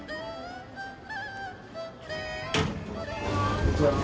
こんにちは。